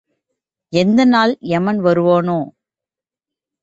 எந்த நாள் யமன் வருவானோ?